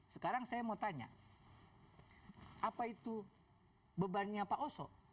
sekarang saya mau tanya apa itu bebannya pak oso